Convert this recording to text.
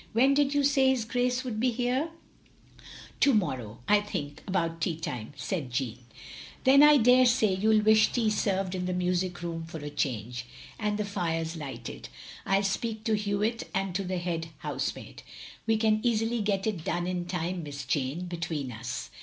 "When did you say his Grace would be here?" 196 THE LONELY LADY "To morrow; I think — ^about tea time," said Jeamie. "Then I daresay you '11 wish tea served in the music room for a change; and the fires lighted. I 'U speak to Hewitt and to the head housemaid. We can easily get it done in time, Miss Jane, between us."